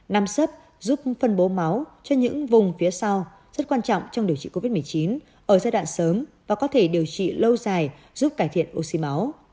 năm sấp giúp phân bố máu cho những vùng phía sau rất quan trọng trong điều trị covid một mươi chín ở giai đoạn sớm và có thể điều trị lâu dài giúp cải thiện oxy máu